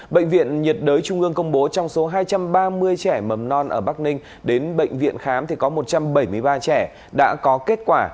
bệnh viện nhiệt đới trung ương công bố trong số hai trăm ba mươi trẻ mầm non ở bắc ninh đến bệnh viện khám thì có một trăm bảy mươi ba trẻ đã có kết quả